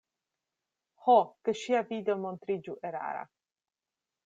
Ho, ke ŝia vido montriĝu erara!